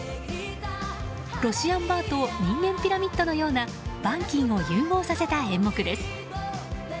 ロシアン・バーと人間ピラミッドのようなバンキンを融合させた演目です。